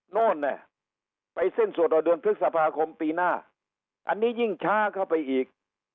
โน้นแหะไปสิ้นสวดอดวนพฤษภาคมปีหน้าอันนี้ยิ่งช้าเข้าไปอีก